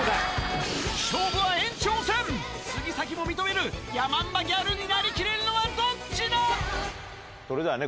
杉咲も認めるヤマンバギャルになりきれるのはどっちだ